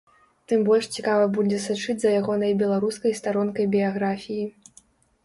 Тым больш цікава будзе сачыць за ягонай беларускай старонкай біяграфіі.